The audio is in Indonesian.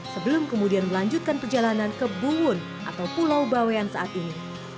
sebelum kemudian melanjutkan perjalanan ke buwun atau pulau bawean saat ini